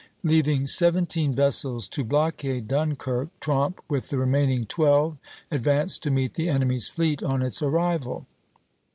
Leaving seventeen vessels to blockade Dunkirk, Tromp with the remaining twelve advanced to meet the enemy's fleet on its arrival.